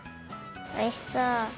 おいしそう！